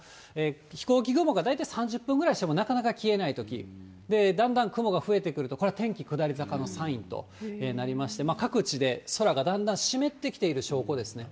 飛行機雲が大体３０分ぐらいしてもなかなか消えないとき、だんだん雲が増えてくると、これ、天気下り坂のサインとなりまして、各地で空がだんだん湿ってきている証拠ですね。